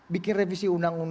bikin revisi undang undang